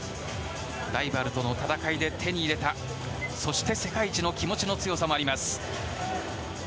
ライバルとの戦いで手に入れた、世界一の気持ちの強さもあります。